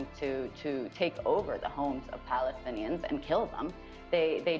bukan antara penyelamat yang mencoba untuk mengambil alih rumah homanya